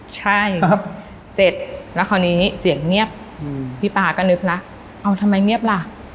ใช่เสร็จแล้วคราวนี้เสียงเงียบพี่ป๊าก็นึกนะเอาทำไมเงียบล่ะ